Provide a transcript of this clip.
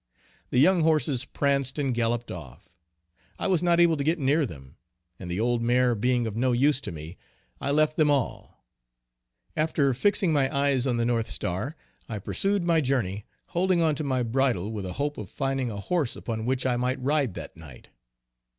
The young horses pranced and galloped off. I was not able to get near them, and the old mare being of no use to me, I left them all. After fixing my eyes on the north star I pursued my journey, holding on to my bridle with a hope of finding a horse upon which I might ride that night.